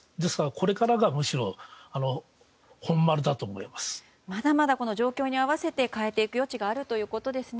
これからが、むしろまだまだ状況に合わせて変えていく余地があるということですね。